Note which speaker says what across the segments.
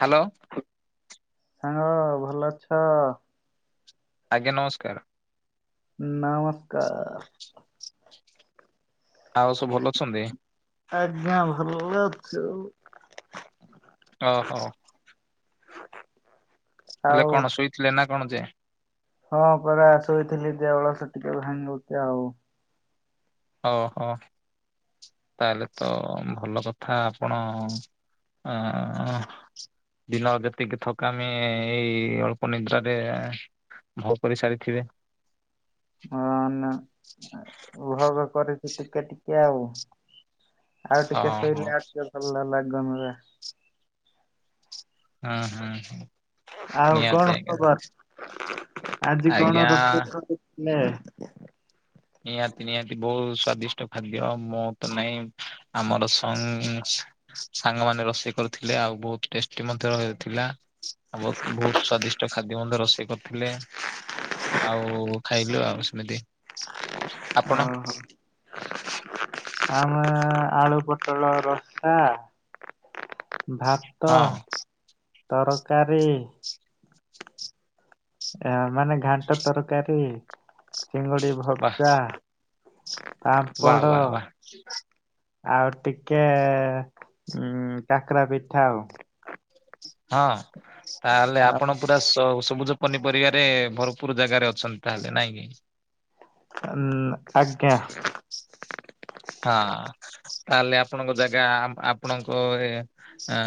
Speaker 1: Hello.
Speaker 2: ସାଙ୍ଗ ଭଲ ଅଛ?
Speaker 1: ଆଜ୍ଞା ନମସ୍କାର।
Speaker 2: ନମସ୍କାର।
Speaker 1: ଆଉ ସବୁ ଭଲ ଅଛନ୍ତି?
Speaker 2: ଆଜ୍ଞା ଭଲ ଅଛୁ।
Speaker 1: ଓହୋ। ଏବେ
Speaker 2: ଆଉ
Speaker 1: କଣ ଶୋଇଥିଲେ ନା କଣ ଯେ?
Speaker 2: ହଁ ପରା ଶୋଇଥିଲି ଦେହ ଅଳସ ଟିକେ ଭାଙ୍ଗୁଛି ଆଉ।
Speaker 1: ଓହୋ ତାହେଲେ ତ ଭଲ କଥା ଆପଣ ଆଁ ଦିନର ଯେତିକି ଥକାମି ଏଇ ଅଳ୍ପ ନିଦ୍ରାରେ ଆଉ ପରିସାରି ଥିବେ।
Speaker 2: ହଁ ନା ଉଭୋଗ କରିଛୁ ଟିକେ ଟିକେ ଆଉ। ଆଉ
Speaker 1: ହଁ
Speaker 2: ଟିକେ
Speaker 1: ହଁ
Speaker 2: ଶୋଇଲେ ଆଉ ଟିକେ ଭଲ ଲାଗନ୍ତା।
Speaker 1: ହଁ ହଁ ହ
Speaker 2: ଆଉ କଣ
Speaker 1: ନିହାତି ଆଜ୍ଞା।
Speaker 2: ଖବର ଆଜି କଣ
Speaker 1: ଆଜ୍ଞା।
Speaker 2: ରୋଷେଇ କରିଥିଲେ?
Speaker 1: ନିହାତି ନିହାତି ବହୁତ ସ୍ଵାଦିଷ୍ଟ ଖାଦ୍ୟ ମୁଁ ତ ନାଇଁ ଆମର ସଂ ସାଙ୍ଗ ମାନେ ରୋଷେଇ କରିଥିଲେ ଆଉ ବହୁତ ଟେଷ୍ଟି ମଧ୍ୟ ର ଥିଲା। ଆଉ ବହୁ ବହୁତ ସ୍ଵାଦିଷ୍ଟ ଖାଦ୍ୟ ମଧ୍ୟ ରୋଷେଇ କରିଥିଲେ। ଆଉ ଖାଇଲୁ ଆଉ ସେମିତି। [unintelligible]
Speaker 2: ଓ ହୋ। ଆମେ ଆଳୁ ପୋଟଳ ରସା। ଭାତ
Speaker 1: ହଁ
Speaker 2: ତରକାରୀ ଏ ମାନେ ଘାଣ୍ଟ ତରକାରୀ ଚିଙ୍ଗୁଡି
Speaker 1: ବା
Speaker 2: ଭଜା
Speaker 1: ବା
Speaker 2: ପାମ୍ପଡ଼
Speaker 1: ବା ବା
Speaker 2: ଆଉ ଟିକେ ଉ କାକୁରା ପିଠା ଆଉ
Speaker 1: ହଁ ତାହେଲେ
Speaker 2: ଆଉ,
Speaker 1: ଆପଣ ପୁରା ସବୁଜ ପନିପରିବାରେ ଭରପୁର ଜାଗାରେ ଅଛନ୍ତି ତାହେଲେ ନାଇଁ କି।
Speaker 2: ହୁଁ ଆଜ୍ଞା।
Speaker 1: ହଁ। ତାହେଲେ ଆପଣଙ୍କ ଜାଗା ଆପଣଙ୍କ ଅ।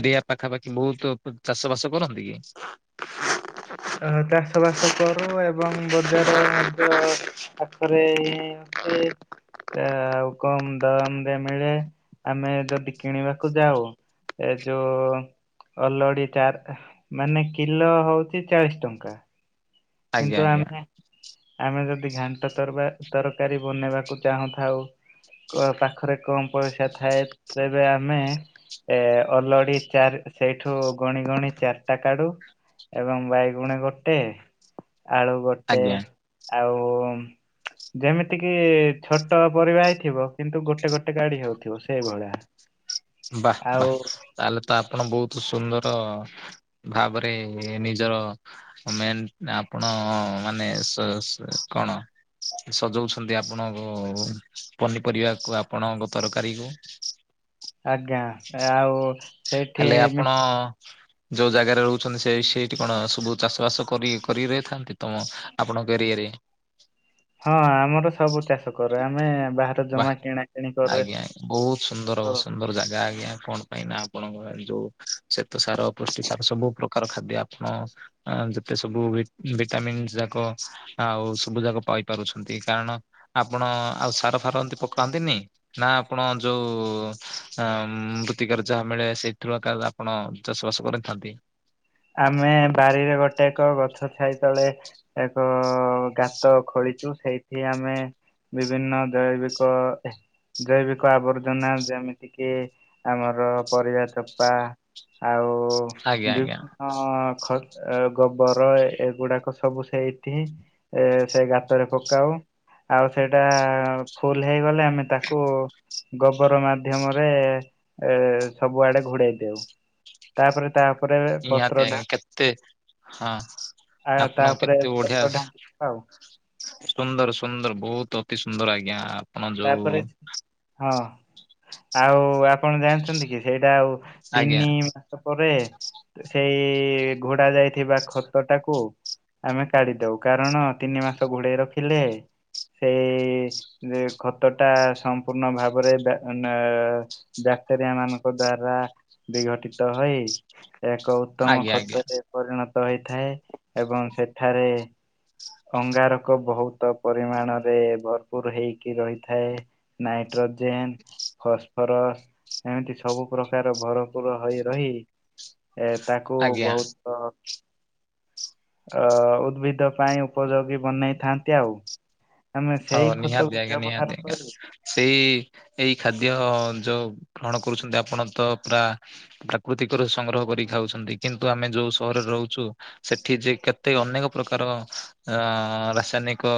Speaker 1: ଏରିଆ ପାଖାପାଖି ବହୁତ ଚାଷ ବାସ କରନ୍ତି କି।
Speaker 2: ଧାନ ଚାଷ ବାସ କରୁ ଏବଂ ବଜାର ମଧ୍ୟ ପାଖରେ ହିଁ ଏମତି ଆଉ କମ ଦମରେ ମିଳେ ଆମେ ଯଦି କିଣିବାକୁ ଯାଉ ଏ ଯୋଉ ଅଲାଡି ଚାର ମାନେ କିଲୋ ହଉ କିଲ ଚାଳିଶ ଟଙ୍କା
Speaker 1: ଆଜ୍ଞା
Speaker 2: କିନ୍ତୁ
Speaker 1: ଆଜ୍ଞା
Speaker 2: ଆମେ ଆମେ ଯଦି ଘାଣ୍ଟ ତର ତରକାରୀ ବନେଇବାକୁ ଚାହୁଁଥାଉ ପାଖରେ କମ୍ ପଇସା ଥାଏ ତେବେ ଆମେ ଏ ଅଲଡି ଚାର ସେଇଠୁ ଗଣି ଗଣି ଚାରିଟା କାଢୁ। ଏବଂ ବାଇଗୁଣ ଗୋଟେ। ଆଳୁ ଗୋଟେ
Speaker 1: ଆଜ୍ଞା
Speaker 2: ଆଉ ଯେମିତି କିି ଛୋଟ ପରିବା ହେଇଥିବ କିନ୍ତୁ ଗୋଟେ ଗୋଟେ ଗାଢି ହଉଥିବ ସେଇଭଳିଆ।
Speaker 1: ବା ବା
Speaker 2: ଆଉ
Speaker 1: ତାହେଲେ ତ ଆପଣ ବହୁତ ସୁନ୍ଦର। ଭାବରେ ନିଜର। ମେନ ଆପଣ ମାନେ କଣ। ସଜାଉଛନ୍ତି ଆପଣଙ୍କ ପନିପରିବାକୁ ଆପଣଙ୍କ ତରକାରୀ କୁ
Speaker 2: ଆଜ୍ଞା ଆଉ। ସେଇଠି
Speaker 1: ହେଲେ
Speaker 2: ମି-
Speaker 1: ଆପଣ। ଯଉ ଜାଗାରେ ରହୁଛନ୍ତି ସେ ସେଇଠି କଣ ସବୁ ଚାଷ ବାସ କରି କରି ରହିଥାନ୍ତି ତମ ଆପଣଙ୍କ ଏରିଆରେ?
Speaker 2: ହଁ ଆମର ସବୁ ଚାଷ କରୁ ଆମେ ବା
Speaker 1: ବାଃ ଆଜ୍ଞା ଆ ବହୁତ ସୁନ୍ଦର
Speaker 2: କରୁ।
Speaker 1: ସୁନ୍ଦର ଜାଗା ଆଜ୍ଞା କଣ କାହିକି ନା ଆପଣଙ୍କ ଗାଁରେ ଯୋଉ ଶ୍ୱେତ ସାର ପୁଷ୍ଟି ସାର ସବୁ ପ୍ରକାର ଖାଦ୍ୟ ଆପଣ ଆ ଯେତେ ସବୁ ଭିଟାମିନ୍ ଯାକ ଆଉ ସବୁଯାକ ପାଇପାରୁଛନ୍ତି। କାରଣ ଆପଣ ଆଉ ସାର ଫାର ଏମିତି ପକାନ୍ତିନି? ନା ଆପଣ ଯୋଉ ଅ ମୃତ୍ତିକାର ଯାହା ମିଳେ ସେଇଥିରୁ ଆକା ଆପଣ ଚାଷ ବାସ କରିଥାନ୍ତି।
Speaker 2: ଆମେ ବାରିରେ ଗୋଟେ ଏକ ଗଛ ଛାଇ ତଳେ ଏକ ଗାତ ଖୋଳିଛୁ ସେଇଠି ଆମେ ବିଭିନ୍ନ ଦୈବିକ ଜୈବିକ ଆବର୍ଜନା ଯେମିତି କିି ଆମର ପରିବା ଚୋପା। ଆଉ।
Speaker 1: ଆଜ୍ଞା ଆଜ୍ଞା।
Speaker 2: ହଁ ଖ ଗୋବର ଏଗୁଡାକ ସବୁ ସେଇଠି ଏ ସେ ଗାତରେ ପକାଉ। ଆଉ ସେଇଟା ଫୁଲ ହେଇଗଲେ ଆମେ ତାକୁ। ଗୋବର ମାଧ୍ୟମରେ ଏ ସବୁଆଡେ ଘୋଡେଇ ଦଉ। ତାପରେ ତାପରେ
Speaker 1: ନିହାତି ଆଜ୍ଞା
Speaker 2: ଢା
Speaker 1: କେତେ? ହଁ
Speaker 2: ଆ
Speaker 1: ଆପଣ
Speaker 2: ତାପରେ
Speaker 1: କେତେ ବଢିଆ
Speaker 2: ପତ୍ର ଢାଙ୍କିଦବା ଆଉ
Speaker 1: ସୁନ୍ଦର ସୁନ୍ଦର ବହୁତ ଅତି ସୁନ୍ଦର ଆଜ୍ଞା। ଯୋଉ
Speaker 2: ତାପରେ ହଁ ଆଉ ଆପଣ ଜାଣିଛନ୍ତିକି ହେଇଟା ଆଉ
Speaker 1: ଆଜ୍ଞା
Speaker 2: ତିନି ମାସ ପରେ ହେଇ ଘୋଡା ଯାଇଥିବା ଖଟଟାକୁ ଆମେ କାଢିଦଉ କାରଣ ତିନିମାସ ଘୋଡେଇ ରଖିଲେ ସେଇ ଯେ ଖତଟା ସମ୍ପୂର୍ଣ୍ଣ ଭାବରେ ବା ବ୍ୟାକ୍ଟେରିଆ ମାନଙ୍କ ଦ୍ଵାରା ବିଘଟିତ ହୋଇ ଏକ ଉତ୍ତମ
Speaker 1: ଆଜ୍ଞା ଆଜ୍ଞା।
Speaker 2: ଖତରେ ପରିଣତ ହେଇଥାଏ ଏବଂ ସେଠାରେ ଅଙ୍ଗାରକ ବହୁତ ପରିମାଣରେ ଭରପୁର ହେଇ କି ରହିଥାଏ ନାଇଟ୍ରୋଜେନ ଫସ୍ଫରସ ଏମିତି ସବୁ ପ୍ରକାର ଭରପୁର ହଇ ରହି ଏ ତାକୁ
Speaker 1: ଆଜ୍ଞା
Speaker 2: ବହୁତ ଅ ଉଦ୍ଭିଦପାଇଁ ଉପଯୋଗୀ ବନେଇଥାନ୍ତି ଆଉ। ଆମେ
Speaker 1: ହଉ
Speaker 2: ସେଇ
Speaker 1: ନିହାତି
Speaker 2: ଖତକୁ
Speaker 1: ଆଜ୍ଞା ନିହାତି
Speaker 2: ବ୍ୟବହାର
Speaker 1: ଆଜ୍ଞା
Speaker 2: କରି
Speaker 1: ସେଇ ଏଇ ଖାଦ୍ୟ ଯଉ ଗ୍ରହଣ କରୁଛନ୍ତି ଆପଣତ ପୁରା ପ୍ରାକୃତିକରୁ ସଂଗ୍ରହ କରି ଖାଉଛନ୍ତି କିନ୍ତୁ ଆମେ ଯୋଉ ସହରରେ ରହୁଛୁ ସେଠି ଯେ କେତେ ଅନେକ ପ୍ରକାର ଆ ରାସାୟନିକ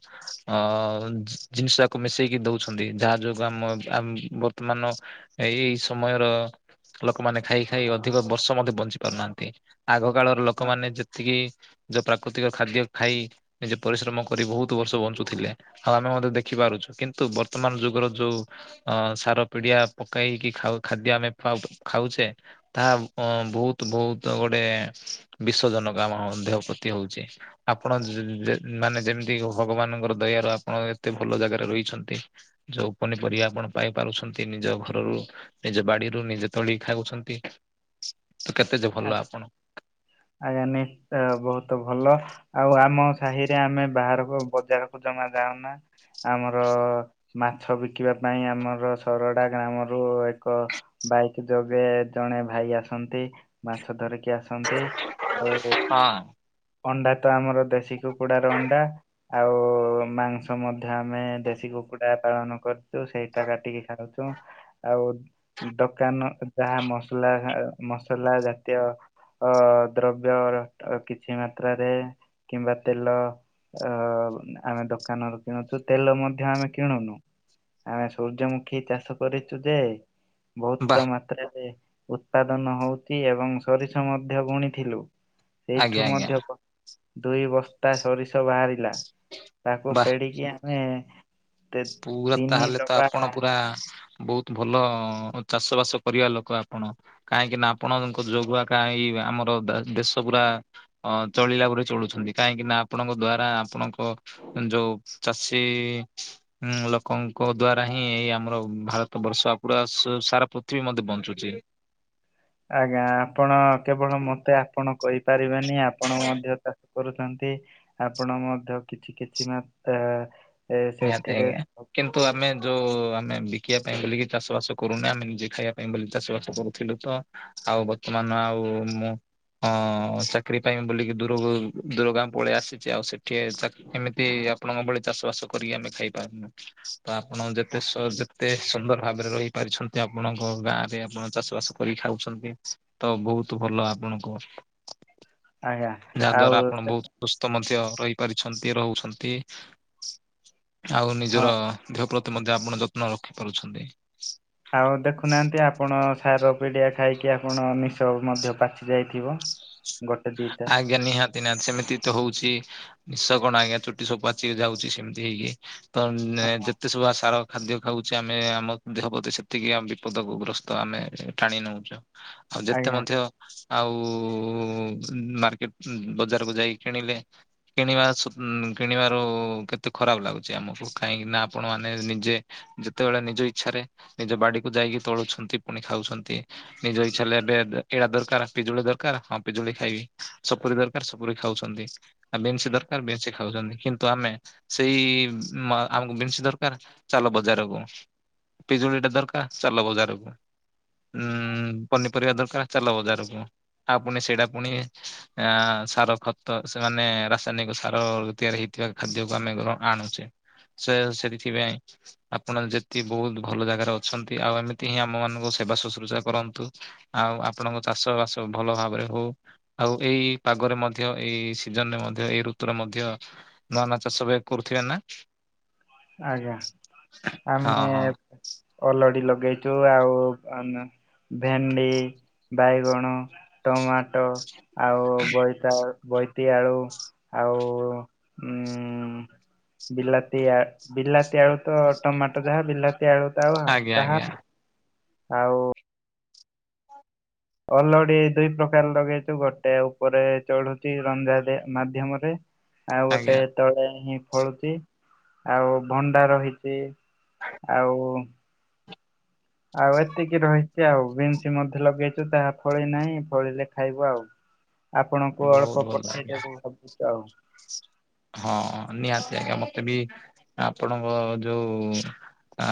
Speaker 1: ଅ ଜିନିଷଟାକୁ ମିଶେଇକି ଦଉଛନ୍ତି ଯାହା ଯୋଗୁ ଆମ ଅମ ବର୍ତ୍ତମାନ ଏହି ସମୟର ଲୋକମାନେ ଖାଇ ଖାଇ ଅଧିକ ବର୍ଷ ମଧ୍ୟ ବଞ୍ଚି ପାରୁନାହାନ୍ତି ଆଗକାଳର ଲୋକମାନେ ଯେତିକି ଯୋଉ ପ୍ରାକୃତିକ ଖାଦ୍ୟ ଖାଇ ନିଜେ ପରିଶ୍ରମ କରି ବହୁତ ତୁ ବର୍ଷ ବଞ୍ଚୁଥିଲେ ଆମେ ମଧ୍ୟ ଦେଖିପାରୁଛୁ କିନ୍ତୁ ବର୍ତ୍ତମାନ ଯୁଗର ଯଉ ଅ ସାର ପିଡିଆ ପକାଇକି ଖାଉ ଖାଦ୍ୟ ଆମେ ଖାଉଛେ ତାହା ବହୁତ ବହୁତ ଗୋଟେ ବିଷଜନକ ଆମ ଦେହପ୍ରତି ହଉଛି ଆପଣ ଯେ ମାନେ ଯେମିତି ଏଇଯଉଁ ଭଗବାନଙ୍କର ଦୟାରୁ ଆପଣ ଏତେ ଭଲ ଜାଗାରେ ରହିଛନ୍ତି। ଯଉ ପନିପରିବା ଆପଣ ପାଇ ପାରୁଛନ୍ତି ନିଜ ଘରରୁ ନିଜ ବାଡିରୁ ନିଜେ ତୋଳି ଖାଉଛନ୍ତି, ତ କେତେ ଯେ ଭଲ
Speaker 2: କରି
Speaker 1: ଆପଣ?
Speaker 2: ଆଜ୍ଞା ନିଶ୍ଚୟ ବହୁତ ଭଲ। ଆଉ ଆମ ସାହିରେ ଆମେ ବାହାରକୁ ବଜାରକୁ ଜମା ଯାଉନା। ଆମର ମାଛ ବିକିବା ପାଇଁ, ଆମର ସରଡ଼ା ଗ୍ରାମରୁ ଏକ ବାଇକ୍ ଯୋଗେ ଜଣେ ଭାଇ ଆସନ୍ତି। ମାଛ ଧରିକି ଆସନ୍ତି, ଆଉ
Speaker 1: ହଁ
Speaker 2: ଅଣ୍ଡାତ ଆମର ଦେଶୀ କୁକୁଡାର ଅଣ୍ଡା, ଆଉ [unintelligible] ମାଂସ ମଧ୍ୟ ଆମେ ଦେଶୀ କୁକୁଡ଼ା ପାଳନ କରୁଛୁ, ସେଇଟା କାଟିକି ଖାଉଛୁ। ଆଉ ଦୋକାନ ଯାହା ମସଲା ମସଲା ଜା ତୀୟ ଦ୍ରବ୍ୟ କିଛି ମାତ୍ରାରେ କିମ୍ବା ତେଲ ଅ ଆମେ ଦୋକାନରୁ କିଣୁଚୁ, ତେଲ ମଧ୍ୟ ଆମେ କିଣୁନୁ। ଆମେ ସୂର୍ଯ୍ୟମୁଖୀ ଚାଷ କରିଚୁ ଯେ ବହୁତ
Speaker 1: ବାଃ
Speaker 2: ମାତ୍ରାରେ ଉତ୍ପାଦନ ହଉଛି, ଆଉ ଏବଂ ସୋରିଷ ମଧ୍ୟ ବୁଣିଥିଲୁ,
Speaker 1: ଆଜ୍ଞା
Speaker 2: ଏଇଠୁ
Speaker 1: ଆଜ୍ଞା
Speaker 2: ମଧ୍ୟ ଦୁଇ ବସ୍ତା ସୋରିଷ ବାହାରିଲା, ତାକୁ
Speaker 1: ବାଃ
Speaker 2: ପେଡିକି ଆମେ ତେ
Speaker 1: ପୁରା
Speaker 2: ତିନି
Speaker 1: ତାହେଲେ ତ
Speaker 2: ଡବା
Speaker 1: ଆପଣ ପୁରା ବହୁତ ଭଲ ଚାଷବାସ କରିଆ ଲୋକ ଆପଣ। କାହିଁକିନା ଆପଣଙ୍କ ଯୋଗୁଁ କାଇଁ ଆମର ଦେଶପୁରା ଅ ଚଳିଲାପରି ଚଳୁଛନ୍ତି, କାହିଁକିନା ଆପଣଙ୍କ ଦ୍ଵାରା ଆପଣଙ୍କ ଯୋଉ ଚାଷୀ ଉଁ ଲୋକଙ୍କ ଦ୍ଵାରା ହିଁ, ଏଇ ଆମର ଭାରତ ବର୍ଷ ପୁରା ସାରା ପୃଥିବୀ ମଧ୍ୟ ବଞ୍ଚୁଚି।
Speaker 2: ଆଜ୍ଞା ଆପଣ କେବଳ ମତେ ଆପଣ କହିପାରିବେନି, ଆପଣ ମଧ୍ୟ ତ କରୁଚନ୍ତି, ଆପଣ ମଧ୍ୟ କିଛି କିଛି ମାତ୍ରା ଏ
Speaker 1: ନିହାତି
Speaker 2: ସେଥିରେ
Speaker 1: ଆଜ୍ଞା। କିନ୍ତୁ ଆମେ
Speaker 2: [unintelligible]
Speaker 1: ଯୋଉ ଆମେ ବିକିବା ପାଇଁ ବୋଲିକି ଚାଷ ବାସ କରୁନା, ଆମେ ନିଜେ ଖାଇବା ପାଇଁ ବୋଲି ଚାଷ ବାସ କରୁଥିଲୁ ତ। ଆଉ ବର୍ତ୍ତମାନ ଆଉ ମୁଁ ହଁ ଚାକିରି ପାଇଁ ବୁଲିକି ଦୂର ଦୂର ଗାଁ ପଳେଇ ଆସିଛି, ଆଉ ସେଠି [unintelligible] ଏମିତି ଆଉ ଆପଣଙ୍କ ଭଳି ଚାଷ ବାସ କରିକି ଆମେ ଖାଇପାରୁନୁ, ତ ଆପଣ ଯେତେ ଯେତେ ସୁନ୍ଦର ଭାବରେ ରହିପାରିଛନ୍ତି, ଆପଣଙ୍କ ଗାଁରେ ଆପଣ ଚାଷ ବାସ କରି ଖାଉଛନ୍ତି। ତ ବହୁତ ଭଲ ଆପଣଙ୍କୁ।
Speaker 2: ଆଜ୍ଞା
Speaker 1: ଯାହା
Speaker 2: ଆଉ
Speaker 1: ଦ୍ୱାରା ଆପଣ ବହୁତ
Speaker 2: ଦେଖନ୍ତୁ,
Speaker 1: ସୁସ୍ଥ ମଧ୍ୟ ରହିପାରିଛନ୍ତି, ରହୁଛନ୍ତି। ଆଉ
Speaker 2: ହଁ
Speaker 1: ନିଜର ଦେହ ପ୍ରତି ମଧ୍ୟ ଆପଣ ଯତ୍ନ ରଖି ପାରୁଛନ୍ତି।
Speaker 2: ଆଉ ଦେଖୁନାହାନ୍ତି ଆପଣ ସାର ପିଡ଼ିଆ ଖାଇକି, ଆପଣ ନିଶ ମଧ୍ୟ ପାଚି ଯାଇଥିବ। ଗୋଟେ ଦିଟା
Speaker 1: ଆଜ୍ଞା ନିହାତି। ଦିନା କେତେ ସେମିତି ତ ହଉଛି, ନିଶ କଣ ଆଜ୍ଞା ଚୁଟି ସବୁପାଚି ଯାଉଛି ସେମିତି ହେଇକି। ତ ଯେ
Speaker 2: ହଁ
Speaker 1: ଏତେ ସବୁ ସାର ଖାଦ୍ୟ ଖାଉଛେ ଆମେ, ଆମ ଦେହ ପ୍ରତି ସେତିକି ଆମ ବିପଦକୁ ଗ୍ରସ୍ତ ଆମେ। ଟାଣି ନେଉଚ, ଆଉ ଯେତେ
Speaker 2: ଆଜ୍ଞା
Speaker 1: ମଧ୍ୟ ଆଉ ମାର୍କେଟ ବଜାରକୁ ଯାଇକି କିଣିଲେ। କିଣିବା କିଣିବାରୁ କେତେ ଖରାପ ଲାଗୁଛି ଆମକୁ, କାହିଁକିନା ଆପଣ ମାନେ ନିଜେ ଯେତେବେଳେ ନିଜ ଇଚ୍ଛାରେ ନିଜ ବାଡିକୁ ଯାଇକି, ତୋଳୁଛନ୍ତି ପୁଣି ଖାଉଛନ୍ତି। ନିଜ ଇଚ୍ଛା ଏବେ ଏଇଟା ଦରକାର ପିଜୁଳି ଦରକାର, ହଁ ପିଜୁଳି ଖାଇବି, ସପୁରି ଦରକାର ସପୁରି ଖାଉଛନ୍ତି। ଆ ବିନ୍ସି ଦରକାର ବିନ୍ସି ଖାଉଛନ୍ତି, କିନ୍ତୁ ଆମେ ସେଇ ଆମକୁ ବିନ୍ସି ଦରକାର ଚାଲ ବଜାରକୁ, ପିଜୁଳିଟେ ଦରକାର ଚାଲ ବଜାରକୁ। ଉଁ ପନିପରିବା ଦରକାର ଚାଲ ବଜାରକୁ, ଆଉ ପୁଣି ସେଇଟା ପୁଣି ଆ ସାର ଖତ, ସେମାନେ ରାସାୟନିକ ସାର ତିଆରି ହେଇଥିବା ଖାଦ୍ୟକୁ ଆମେ ଆଣୁଛେ। ସେ ସେଇଥିପାଇଁ ଆପଣ ଯେତିକି ବହୁତ ଭଲ ଜାଗାରେ ଅଛନ୍ତି, ଆଉ ଏମିତି ହିଁ ଆମ ମାନଙ୍କୁ ସେବା ଶୁଶ୍ରୂଷା କରନ୍ତୁ। ଆଉ ଆପଣଙ୍କ ଚାଷ ବାସ ଭଲ ଭାବରେ ହଉ। ଆଉ ଏଇ ପାଗରେ ମଧ୍ୟ ଏଇ ସିଜନ ରେ ମଧ୍ୟ ଏଇ ଋତୁରେ ମଧ୍ୟ ନୁଆନୂଆ ଚାଷ ପାଇଁ କରୁଥିବେ ନା।
Speaker 2: ଆଜ୍ଞା
Speaker 1: ହଁ
Speaker 2: ଆମେ
Speaker 1: ହଁ
Speaker 2: ଅଲଡି ଲଗେଇଚୁ ଆଉ ଆମେ ଭେଣ୍ଡି ବାଇଗଣ ଟମାଟୋ ଆଉ ବୋଇତା ବୋଇତି ଆଳୁ। ଆଉ ଉଁ ବିଲା ତିଆ ବିଲାତି ଆଳୁ ତ ଟମାଟଯାହା ବିଲାତି ଆଳୁ ତ ତାୱା
Speaker 1: ଆଜ୍ଞା
Speaker 2: ତାହା।
Speaker 1: ଆଜ୍ଞା
Speaker 2: ଆଉ ଅଲଡି ଦୁଇ ପ୍ରକାର ଲଗେଇଛୁ ଗୋଟେ ଉପରେ ଚଢୁଛି ରଞ୍ଜା ଦିଆ ମାଧ୍ୟମରେ। ଆଉ ଗୋଟେ
Speaker 1: ଆଜ୍ଞା
Speaker 2: ତଳେ ହିଁ ଫଳୁଚି ଆଉ ଭଣ୍ଡା ରହିଛି ଆଉ ଆଉ ଏତିକି ରହିଛି ଆଉ ବିନ୍ସ ମଧ୍ୟ ଲଗେଇଚୁ ତାହା ଫଳି ନାହିଁ ଫଳିଲେ ଖାଇବୁ ଆଉ। ଆପଣଙ୍କୁ
Speaker 1: ବହୁତ
Speaker 2: ଅଳ୍ପ
Speaker 1: ଭଲ ଆଜ୍ଞା।
Speaker 2: ପଠେଇଦେବୁ ଭବୁଚୁ ଆଉ।
Speaker 1: ହଁ ନିହାତି ଆଜ୍ଞା ମତେ ବି ଆପଣଙ୍କ ଯୋଉ ଆ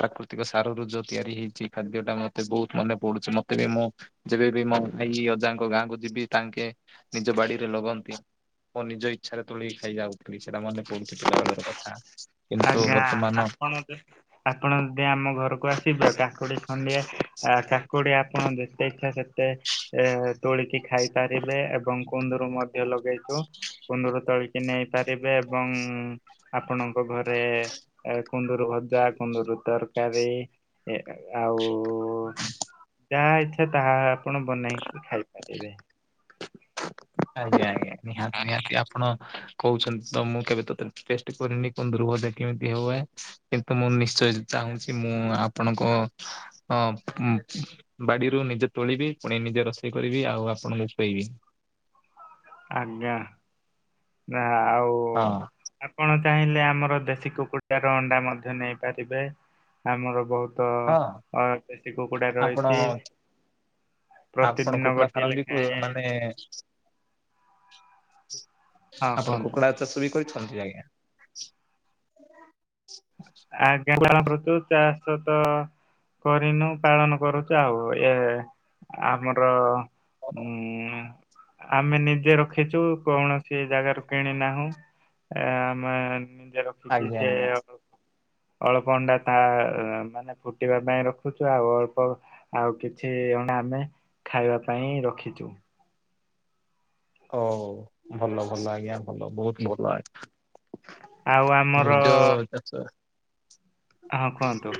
Speaker 1: ପ୍ରାକୃତିକ ସାରରୁ ଜୋଉ ତିଆରି ହେଇଛି ଖାଦ୍ୟ ଟା ମତେ ବହୁତ ମନେ ପଡୁଛି ମତେ ବି ମୁଁ ଯେବେ ବି ମୋ ଭାଇ ଅଜାଙ୍କ ଗାଁକୁ ଯିବି ତାଙ୍କେ ନିଜ ବାଡିରେ ଲଗନ୍ତି। ମୁଁ ନିଜ ଇଚ୍ଛାରେ ତୋଳିକି ଖାଇ ଯାଉଥିଲି ସେଇଟା ମନେ ପଡୁଛି ପିଲାବେଳର କଥା। କିନ୍ତୁ
Speaker 2: ଆଜ୍ଞା
Speaker 1: ବର୍ତ୍ତମାନ
Speaker 2: ଆପଣ ଯୋଉ ଆପଣ ଯଦି ଆମ ଘରକୁ ଆସିବେ କାକୁଡି ଖଣ୍ଡିଏ ଆ କାକୁଡି ଆପଣ ଯେତେ ଇଚ୍ଛା ସେତେ ଏ ତୋଳିକି ଖାଇପାରିବେ ଏବଂ କୁନ୍ଦୁରୁ ମଧ୍ୟ ଲଗେଇଛୁ କୁନ୍ଦୁରୁ ତୋଳି କି ନେଇ ପାରିବେ ଏବଂ ଆପଣଙ୍କ ଘ ରେ କୁନ୍ଦୁରି ଭଜା କୁନ୍ଦୁରି ତରକାରୀ। ଏ ଆଉ ଯାହା ଇଚ୍ଛା ତାହା ଆପଣ ବନେଇକି ଖାଇପାରିବେ।
Speaker 1: ଆଜ୍ଞା ଆଜ୍ଞା ନିହାତି ନିହାତି ଆପଣ କହୁଛନ୍ତି ତ ମୁଁ କେବେ ତୋତେ ଟେଷ୍ଟ କରିନି। କୁନ୍ଦୁରୁ ଭଜା କେମିତି ହୁଏ କିନ୍ତୁ ମୁଁ ନିଶ୍ଚୟ ଚାହୁଁଛି ମୁଁ ଆପଣଙ୍କ ହଁ ଉଁ ବାଡିରୁ ନିଜେ ତୋଳିବି ପୁଣି ନିଜେ ରୋଷେଇ କରିବି ଆଉ ଆପଣଙ୍କୁ ଖୋଇବି।
Speaker 2: ଆଜ୍ଞା ନା ଆଉ
Speaker 1: ହଁ।
Speaker 2: ଆପଣ ଚାହିଁଲେ ଆମର ଦେଶୀ କୁକୁଡ଼ାର ଅଣ୍ଡା ମଧ୍ୟ ନେଇପାରିବେ। ଆମର ବହୁ ତ
Speaker 1: ହଁ।
Speaker 2: ଅଁ ଦେଶୀ କୁକୁଡା
Speaker 1: ଆପଣ
Speaker 2: ରହିଛି।
Speaker 1: ଆପଣ
Speaker 2: ପ୍ରତିଦିନ
Speaker 1: କୁକୁଡ଼ା
Speaker 2: ଗୋଟେ
Speaker 1: ଫାର୍ମ ବିକୁ
Speaker 2: ଲେଖାଏଁ
Speaker 1: ମାନେ
Speaker 2: ହଁ
Speaker 1: ଆପଣ
Speaker 2: କୁହନ୍ତୁ।
Speaker 1: କୁକୁଡ଼ା ଚାଷ ବି କରିଛନ୍ତି ଆଜ୍ଞା।
Speaker 2: ଆଜ୍ଞା [unintelligible] ଚାଷତ। କରିନୁ ପାଳନ କରୁଛୁ ଆଉ ଏ ଆମର ଉଁ ଆମେ ନିଜେ ରଖିଚୁ କୌଣସି ଜାଗାରୁ କିଣି ନାହୁଁ। ଏ ଆମେ ନିଜେ ରଖିଚି
Speaker 1: ଆଜ୍ଞା
Speaker 2: ସେ
Speaker 1: ଆଜ୍ଞା।
Speaker 2: ଅଳ୍ପ ଅଣ୍ଡା ଟି ମାନେ ଫୁଟିବା ପାଇଁ ରଖୁଚୁ ଆଉ ଅଳ୍ପ ଆଉ କିଛି ଅଣ୍ଡା ଆମେ ଖାଇବା ପାଇଁ ରଖିଚୁ।
Speaker 1: ଓ ହୋଉ ଭଲ ଭଲ ଆଜ୍ଞା ଭଲ ବହୁତ ଭଲ
Speaker 2: ଆଉ
Speaker 1: ଆଜ୍ଞା।
Speaker 2: ଆମର
Speaker 1: ନିଜ [unintelligible] [inaudible]
Speaker 2: ହଁ କୁହନ୍ତୁ।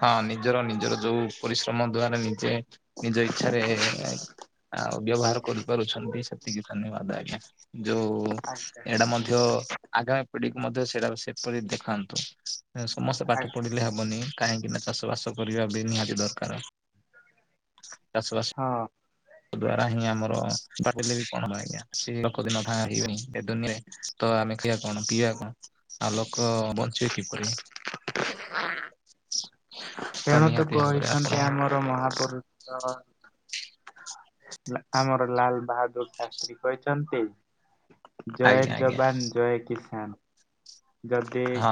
Speaker 1: ହଁ ନିଜର ନିଜର ଯୋଉ ପରିଶ୍ରମ ଦ୍ଵାରା ନିଜେ ନିଜ ଇଚ୍ଛାରେ ଆଉ ବ୍ୟବହାର କରିପାରୁଛ। ମୁବି ସେତିକି ଧନ୍ୟବାଦ ଆଜ୍ଞା ଯୋଉ
Speaker 2: ଆଜ୍ଞା
Speaker 1: ଏଇଟା ମଧ୍ୟ ଆଗାମୀ ପଢିକି ମଧ୍ୟ ସେରାକ ସେପରି ଦେଖାନ୍ତୁ। ସମସ୍ତେ ପାଠ
Speaker 2: ଆଜ୍ଞା
Speaker 1: ପଢି ଲେ ହବନି କାହିଁକି ନା ଚାଷ ବାସ କରିବା ବି ନିହାତି ଦରକାର। ଚାଷ ବାସ
Speaker 2: ହଁ।
Speaker 1: ଦ୍ୱାରା ହିଁ ଆମ [unintelligible] ତ ଆମେ ଖଇବା କଣ ପିଇବା କଣ ଆ ଲୋକ ବଞ୍ଚିବେ କିପରି! ତ ନିହାତି ଭାବରେ ଆପଣ
Speaker 2: ତୋ ମହାପୁରୁଷ [unintelligible]
Speaker 1: [inaudible]
Speaker 2: ଆମର ଲାଲ ବାହାଦୁର ଶାସ୍ତ୍ରୀ କହିଛନ୍ତି ଜୟ
Speaker 1: ଆଜ୍ଞା ଆଜ୍ଞା
Speaker 2: ଯବାନ, ଜୟ କିଷାନ ଯଦି
Speaker 1: ହଁ।